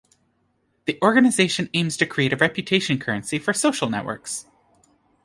The organization aims to create a reputation currency for social networks.